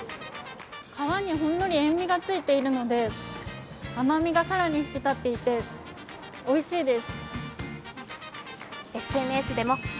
皮にほんのり塩味がついているので、甘みが更に引き立っていておいしいです。